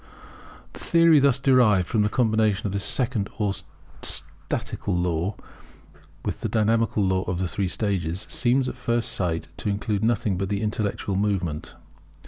The theory thus derived from the combination of this second or statical law with the dynamical law of the three stages, seems at first sight to include nothing but the intellectual movement.